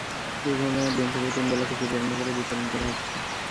দুর্ঘটনার দিন থেকেই তিন বেলা খিচুড়ি রান্না করে বিতরণ করা হচ্ছে।